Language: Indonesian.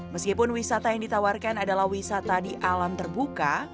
meskipun wisata yang ditawarkan adalah wisata di alam terbuka